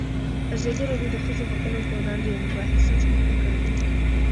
ازادي راډیو د د ښځو حقونه پر وړاندې یوه مباحثه چمتو کړې.